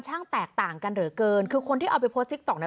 ช่างแตกต่างกันเหลือเกินคือคนที่เอาไปโพสต์ซิกตอกน่ะ